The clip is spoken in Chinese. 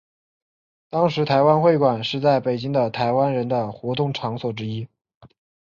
当时台湾会馆是在北京的台湾人的活动场所之一。